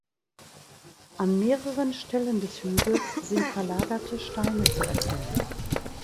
An mehreren Stellen des Hügels sind verlagerte Steine zu erkennen.